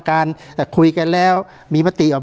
การแสดงความคิดเห็น